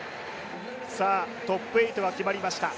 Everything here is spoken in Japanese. トップ８は決まりました。